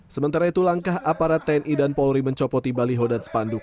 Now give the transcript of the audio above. sementara itu langkah aparat tni dan polri mencopoti balihodan spanduk